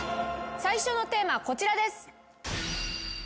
最初のテーマはこちらです。